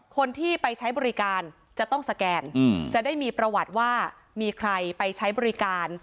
คนที่ไปใช้บริการจะต้องสแกนจะได้มีประวัติว่ามีใครไปใช้บริการ